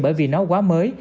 bởi vì nó quá mới